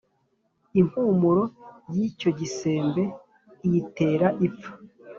Impumuro y’icyo gisembe iyitera ipfa.